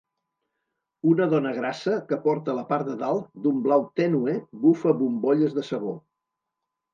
Una dona grassa que porta la part de dalt d'un blau tènue bufa bombolles de sabó.